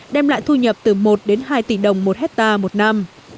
đem lại thu nhập từ một đến hai tỷ đồng một hectare một năm